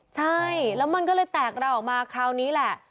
ใช่แล้วมันก็เลยแตกเราออกมาคราวนี้แหละ